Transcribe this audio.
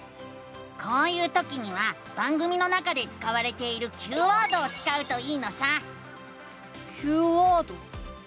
こういうときには番組の中で使われているＱワードを使うといいのさ！